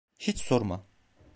Hiç sorma.